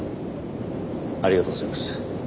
ありがとうございます。